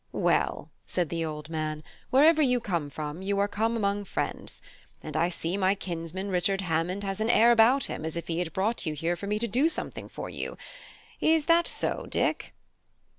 "Well," said the old man, "wherever you come from, you are come among friends. And I see my kinsman Richard Hammond has an air about him as if he had brought you here for me to do something for you. Is that so, Dick?"